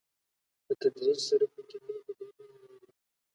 په تدريج سره په کې نور بدلونونه راغلل.